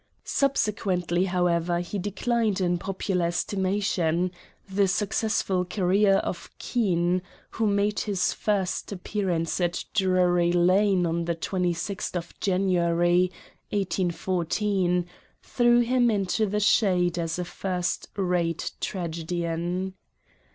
Subsequently, however, he declined in popular estimation ; the successful career of Kean, who made his first appear ance at Drury Lane on the 26th January, 1814, threw him into the shade as a first rate tragedian.